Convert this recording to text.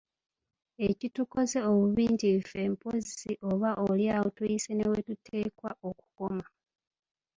Ekitukoze obubi nti ffe mpozzi oba oli awo tuyise newetuteekwa okukoma.